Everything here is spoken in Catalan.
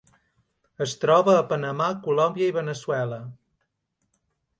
Es troba a Panamà, Colòmbia i Veneçuela.